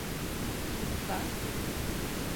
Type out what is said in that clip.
Судта?